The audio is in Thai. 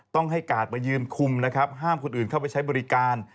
ต้องให้กาดมายืนคุมนะครับห้ามคนอื่นเข้าไปใช้บริการ